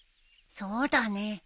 そうだね。